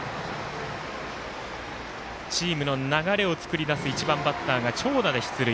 チームの流れを作り出す１番バッターが長打で出塁。